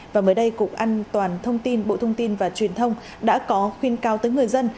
và mới đây cục an toàn thông tin bộ thông tin và truyền thông đã có khuyên cao tới người dân